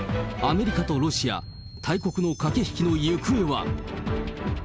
アメリカとロシア、大国の駆け引きの行方は？